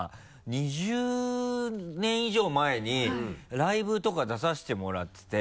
２０年以上前にライブとか出させてもらってて。